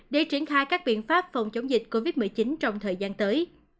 để triển khai các biện pháp phòng chống dịch covid một mươi chín trong thời gian tới